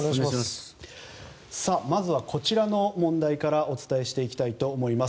まずは、こちらの問題からお伝えしていきたいと思います。